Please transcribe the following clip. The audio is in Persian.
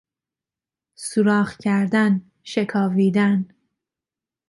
سوراخ کردن، شکاویدن